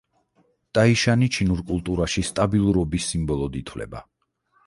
ტაიშანი ჩინურ კულტურაში სტაბილურობის სიმბოლოდ ითვლება.